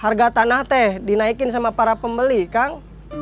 harga tanah teh dinaikin sama para pembeli kang